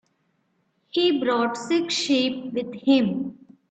He brought six sheep with him.